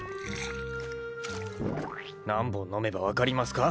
何本飲めば分かりますか？